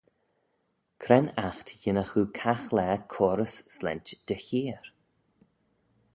Cre'n aght yinnagh oo caghlaa coarys slaynt dty heer?